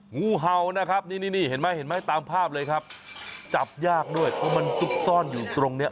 งูเห่านะครับนี่นี่เห็นไหมเห็นไหมตามภาพเลยครับจับยากด้วยเพราะมันซุกซ่อนอยู่ตรงเนี้ย